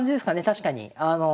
確かに。